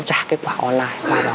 trả kết quả online